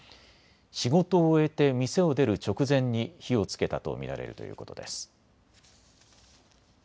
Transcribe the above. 仕事を終えて店を出る直前に火をつけたと見られるということです。